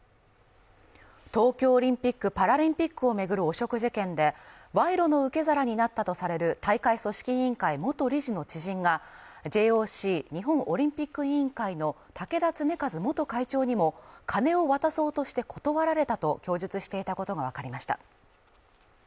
東京オリンピック・パラリンピックを巡る汚職事件で、賄賂の受け皿になったとされる大会組織委員会元理事の知人がＪＯＣ＝日本オリンピック委員会の竹田恒和元会長にも金を渡そうとして断られたと供述していたことがわかりました。